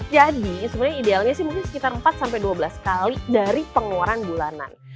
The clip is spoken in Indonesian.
jadi sebenarnya idealnya sih mungkin sekitar empat dua belas kali dari pengeluaran bulanan